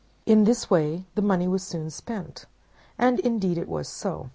In this way the money might soon be spent, and indeed it was so.